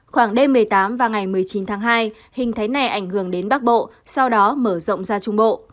khoảng đêm một mươi tám và ngày một mươi chín tháng hai hình thái này ảnh hưởng đến bắc bộ sau đó mở rộng ra trung bộ